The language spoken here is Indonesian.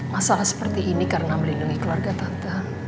masalah seperti ini karena melindungi keluarga tante